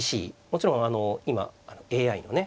もちろんあの今ＡＩのね